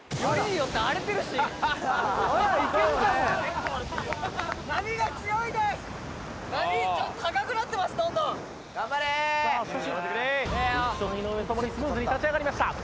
浮所井上ともにスムーズに立ち上がりました。